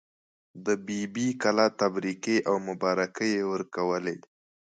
د بي بي کلا تبریکې او مبارکۍ یې ورکولې.